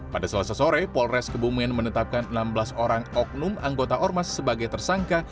pada selasa sore polres kebumen menetapkan enam belas orang oknum anggota ormas sebagai tersangka